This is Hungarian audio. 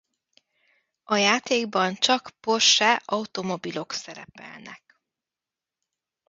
A játékban csak Porsche automobilok szerepelnek.